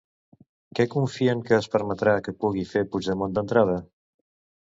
Què confien que es permetrà que pugui fer Puigdemont, d'entrada?